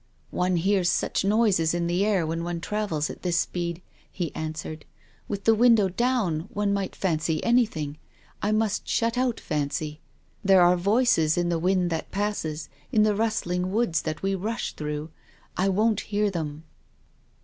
" One hears such noises in the air when one travels at this speed," he answered. " With the window down one might fancy anything. I must shut out fancy. There are voices in the wind that passes, in the rustling woods that we rush through. I won't hear them."